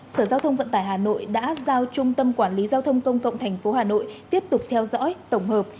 sở giao thông vận tải hà nội đã giao trung tâm quản lý giao thông công cộng tp hà nội tiếp tục theo dõi tổng hợp